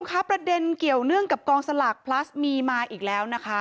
ครับประเด็นเกี่ยวเนื่องกับกองสลากพลัสมีมาอีกแล้วนะคะ